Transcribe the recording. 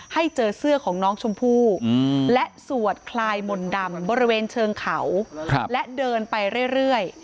ให้เจอเสื้อของน้องชมพู่และสวดคลายมนต์ดำบริเวณเชิงเขาและเดินไปเรื่อย